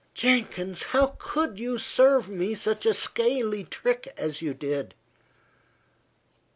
"Jenkins, how could you serve me such a scaly trick as you did?"